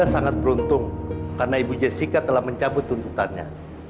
saya sangat beruntung karena ibu jessica telah mencabut tuntutannya